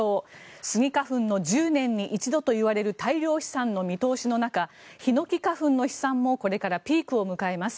スギ花粉の１０年に一度といわれる大量飛散の見通しの中、ヒノキ花粉の飛散もこれからピークを迎えます。